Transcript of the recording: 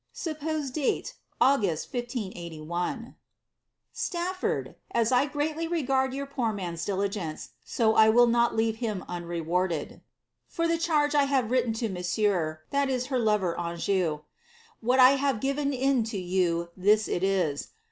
Sup{)ose(l (late, August, 1581. •Stafto«», — As I greatly regard your poor man's diligence,* so I will not leave him unrewarded. *Yor the charge I have written to Monsieur (her lover Anjou), what I have fhrea in to you, this it is.